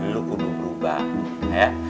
lu perlu berubah